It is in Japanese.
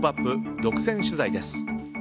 独占取材です。